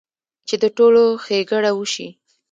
چې د ټولو ښېګړه اوشي -